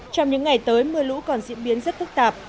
trong những ngày tới mưa lũ còn diễn biến rất phức tạp